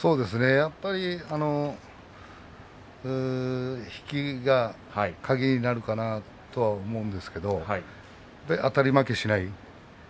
やっぱり引きが鍵になるかなと思うんですけどそしてあたり負けしない。